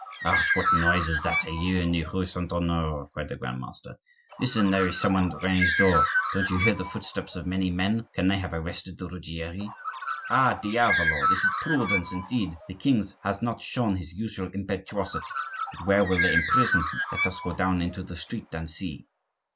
"Hush! what noise is that I hear in the rue Saint Honore?" cried the Grand master. "Listen! there is some one at Rene's door! Don't you hear the footsteps of many men. Can they have arrested the Ruggieri?" "Ah, diavolo! this is prudence indeed. The king has not shown his usual impetuosity. But where will they imprison them? Let us go down into the street and see."